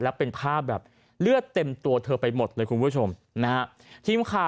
แล้วเป็นภาพแบบเลือดเต็มตัวเธอไปหมดเลยคุณผู้ชมนะฮะทีมข่าว